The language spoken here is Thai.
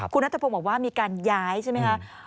คุณนัทพงศ์บอกว่ามีการย้ายใช่ไหมคะ